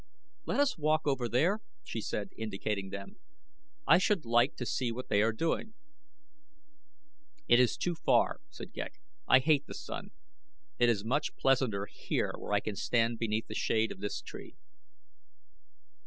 "Let us walk over there?" she said, indicating them. "I should like to see what they are doing." "It is too far," said Ghek. "I hate the sun. It is much pleasanter here where I can stand beneath the shade of this tree."